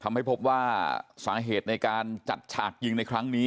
ทำให้พบว่าสาเหตุในการจัดฉากยิงในครั้งนี้